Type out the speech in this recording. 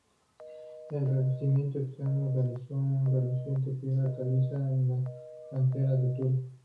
El revestimiento externo se realizó con reluciente piedra caliza de las canteras de Tura.